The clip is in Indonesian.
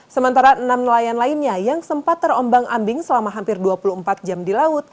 sementara enam nelayan lainnya yang sempat terombang ambing selama hampir dua puluh empat jam di laut